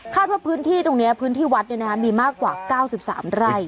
ว่าพื้นที่ตรงนี้พื้นที่วัดมีมากกว่า๙๓ไร่